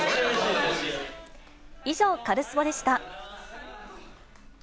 以上、カルスポっ！でした。